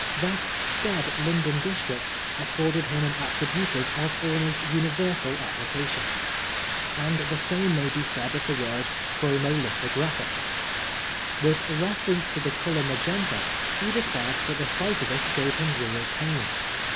That staid London district afforded him an attri butive of almost universal application. And the same may be said of the word ' chromo 73 Oscar Wilde lithographic/ With reference to the colour magenta, he declared that the sight of it gave him real pain.